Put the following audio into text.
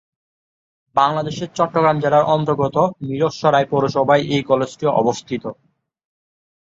বাংলাদেশের চট্টগ্রাম জেলার অন্তর্গত মীরসরাই পৌরসভায় এ কলেজটি অবস্থিত।